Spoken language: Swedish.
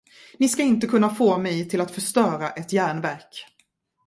Ni ska inte kunna få mig till att förstöra ett järnverk.